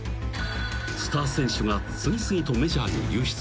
［スター選手が次々とメジャーに流出し］